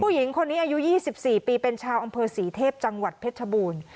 ผู้หญิงคนนี้อายุ๒๔ปีเป็นชาวอำเภอศรีเทพจังหวัดเพชรชบูรณ์